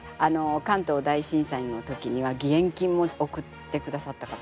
関東大震災の時には義援金も送ってくださった方ですよ。